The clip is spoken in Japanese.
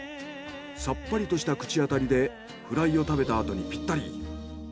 さっぱりとした口あたりでフライを食べたあとにぴったり。